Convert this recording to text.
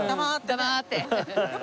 黙ってね。